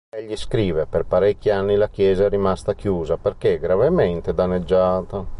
Egli scrive:"Per parecchi anni la chiesa è rimasta chiusa perché gravemente danneggiata.